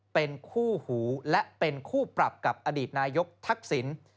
เป็นคู่หูและเป็นคู่ปรับกับอดีตนายกทักษิณ